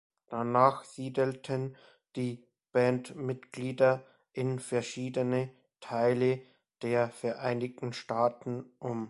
Danach siedelten die Bandmitglieder in verschiedene Teile der Vereinigten Staaten um.